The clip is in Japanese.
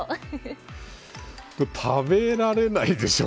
これ食べられないでしょう